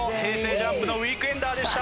ＪＵＭＰの『ウィークエンダー』でした。